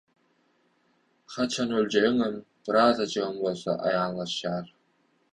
haçan öljegiňem birazajygam bolsa aýanlaşýar.